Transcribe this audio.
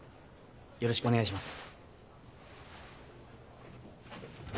よろしくお願いします。